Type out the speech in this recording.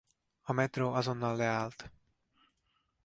A metró azonnal leállt.